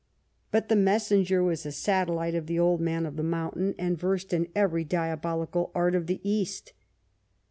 But the messenger was a satellite of the Old Man of the Mountain and versed in every diabolical art of the East.